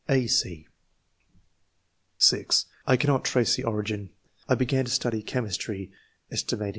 '^ (a, c) (6) ^' I cannot trace the origin. I began to study chemistry set.